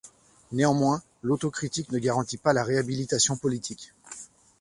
Néanmoins, l'autocritique ne garantit pas la réhabilitation politique.